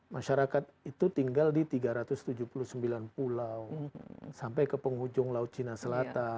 masyarakat itu tinggal di tiga ratus tujuh puluh sembilan pulau sampai ke penghujung laut cina selatan